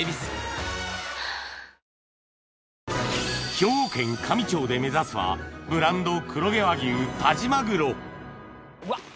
兵庫県香美町で目指すはブランド黒毛和牛但馬玄うわっ。